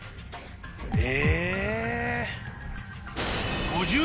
え？